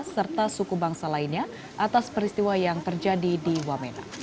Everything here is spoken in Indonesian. serta suku bangsa lainnya atas peristiwa yang terjadi di wamena